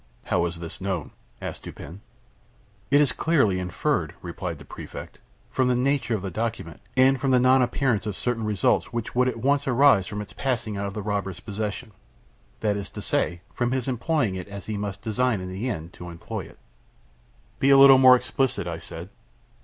"How is this known?" asked Dupin. "It is clearly inferred," replied the Prefect, "from the nature of the document, and from the non appearance of certain results which would at once arise from its passing out of the robber's possession that is to say, from his employing it as he must design in the end to employ it." "Be a little more explicit," I said.